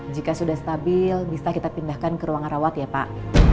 jika sudah stabil bisa kita pindahkan ke ruangan rawat ya pak